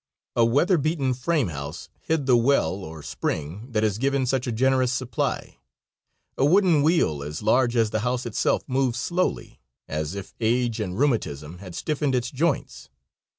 A weather beaten frame house hid the well or spring that has given such a generous supply. A wooden wheel as large as the house itself, moved slowly, as if age and rheumatism had stiffened its joints.